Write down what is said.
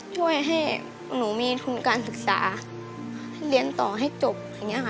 ช่วยให้หนูมีทุนการศึกษาให้เรียนต่อให้จบอย่างนี้ค่ะ